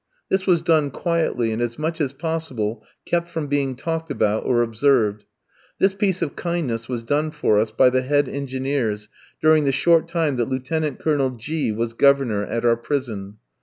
This was done quietly, and as much as possible kept from being talked about or observed. This piece of kindness was done for us by the head engineers, during the short time that Lieutenant Colonel G kof was Governor at our prison.